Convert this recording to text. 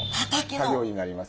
作業になります。